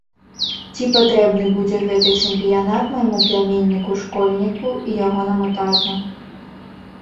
Ці патрэбны будзе гэты чэмпіянат майму пляменніку-школьніку і ягонаму тату?